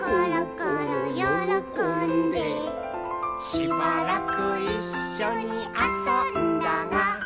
「しばらくいっしょにあそんだが」